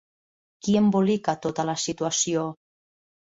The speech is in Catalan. Qui embolica tota la situació?